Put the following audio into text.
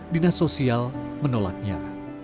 dinas sosial menolaknya